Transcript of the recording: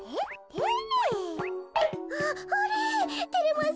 あっあれ？